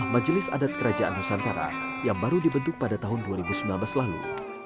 majelis adat kerajaan nusantara yang baru dibentuk pada tahun dua ribu sembilan belas lalu